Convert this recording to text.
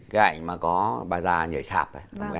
cái ảnh mà có bà già nhảy sạp